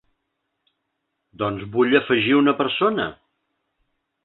Doncs vull afegir una persona.